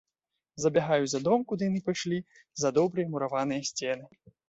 Забягаю за дом, куды яны пайшлі, за добрыя мураваныя сцены.